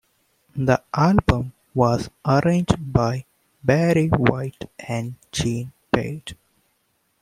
The album was arranged by Barry White and Gene Page.